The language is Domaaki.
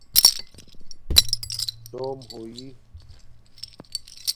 ڈوم ہوئئ